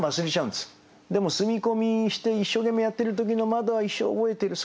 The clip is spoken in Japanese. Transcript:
でも住み込みして一生懸命やってる時の窓は一生覚えてる。